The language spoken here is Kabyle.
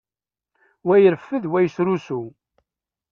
Wa ireffed, wa yesrusu.